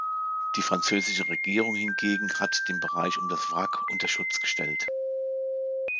Die französische Regierung hingegen hat den Bereich um das Wrack unter Schutz gestellt.